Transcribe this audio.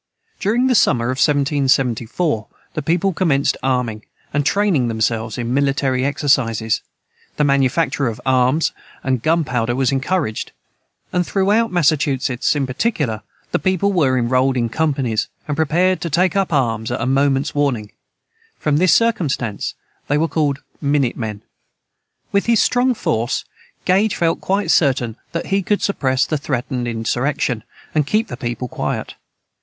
During the summer of 1774, the people commenced arming, and training themselves in military exercises; the manufacture of arms and gunpowder was encouraged; and throughout Massachusetts, in particular, the people were enrolled in companies, and prepared to take up arms at a moment's warning. From this circumstance they were called "MINUTE MEN." With his strong force, Gage felt quite certain that he could suppress the threatened insurrection, and keep the people quiet.